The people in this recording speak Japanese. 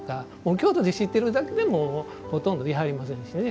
京都で知っているだけでもほとんどいはりませんしね